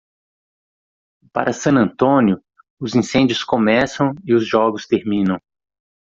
Para San Antonio, os incêndios começam e os jogos terminam.